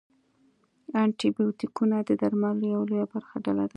انټي بیوټیکونه د درملو یوه لویه ډله ده.